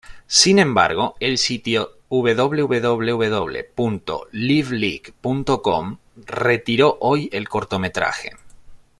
Sin embargo, el sitio www.liveleak.com retiró hoy el cortometraje.